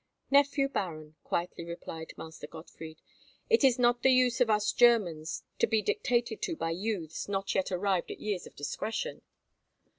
"Nephew baron," quietly replied Master Gottfried, "it is not the use of us Germans to be dictated to by youths not yet arrived at years of discretion."